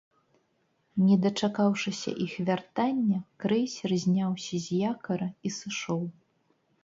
Не дачакаўшыся іх вяртання, крэйсер зняўся з якара і сышоў.